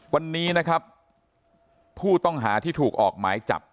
วันนี้นะครับผู้ต้องหาที่ถูกออกหมายจับ